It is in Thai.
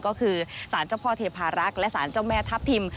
ก็คือสารเจ้าพ่อเทพารักษ์และสารเจ้าแม่ทัพทิม